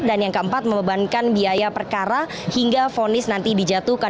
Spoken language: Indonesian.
yang keempat membebankan biaya perkara hingga fonis nanti dijatuhkan